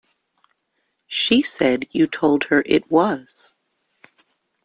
She said you told her where it was.